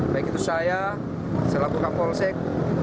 baik itu saya selaku kapolsek